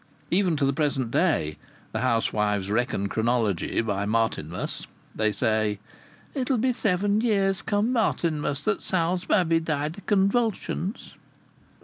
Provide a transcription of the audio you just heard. Even to the present day the housewives reckon chronology by Martinmas. They say, "It'll be seven years come Martinmas that Sal's babby died o' convulsions."